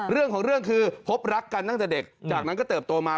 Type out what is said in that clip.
เรื่องของเรื่องคือพบรักกันตั้งแต่เด็กจากนั้นก็เติบโตมา